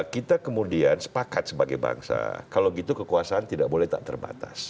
kita kemudian sepakat sebagai bangsa kalau gitu kekuasaan tidak boleh tak terbatas